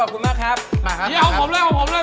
เอาผมเลย